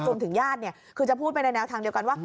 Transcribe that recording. ญาติคือจะพูดไปในแนวทางเดียวกันว่า